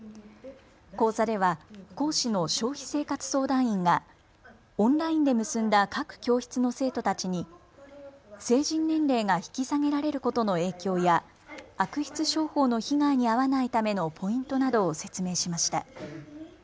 講座では講師の消費生活相談員がオンラインで結んだ各教室の生徒たちに成人年齢が引き下げられることの影響や悪質商法の被害に遭わないためのポイントなどを説明しました。